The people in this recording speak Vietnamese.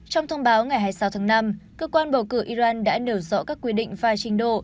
trong thông báo ngày hai mươi sáu tháng năm cơ quan bầu cử iran đã nêu rõ các quy định phai trình độ